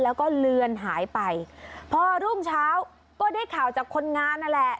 แล้วก็เลือนหายไปพอรุ่งเช้าก็ได้ข่าวจากคนงานนั่นแหละ